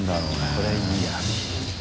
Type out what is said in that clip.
これいいや。